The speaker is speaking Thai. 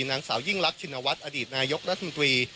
นางสาวยิ่งรักชินวัฒน์อดีตนายกรัฐมนตรี